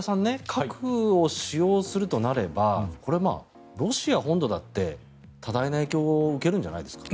核を使用するとなればロシア本土だって多大な影響を受けるんじゃないですか。